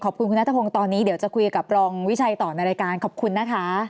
ขอบคุณคุณนัทพงศ์ตอนนี้เดี๋ยวจะคุยกับรองวิชัยต่อในรายการขอบคุณนะคะ